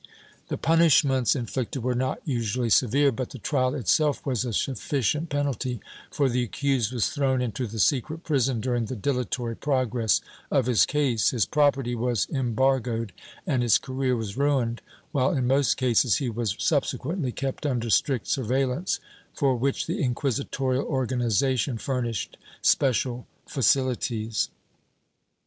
The punishments inflicted were not usually severe, but the trial itself was a sufficient penalty, for the accused was thrown into the secret prison during the dilatory progress of his case, his property was embargoed and his career was ruined, while in most cases he was subsecjuently kept under strict surveillance, for which the inquisitorial organi zation furnished special facilities.